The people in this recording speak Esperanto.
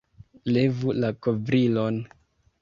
Levu la kovrilon!